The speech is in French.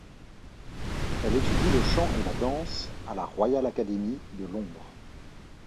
Elle étudie le chant et la danse à la Royal Academy de Londres.